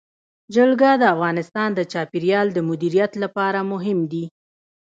جلګه د افغانستان د چاپیریال د مدیریت لپاره مهم دي.